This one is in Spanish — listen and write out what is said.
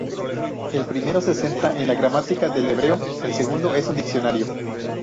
El primero se centra en la gramática del hebreo, el segundo es un diccionario.